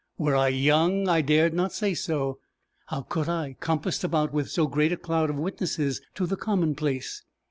Were I young I dared not say so. How could I, compassed about with so great a cloud of witnesses to the common place!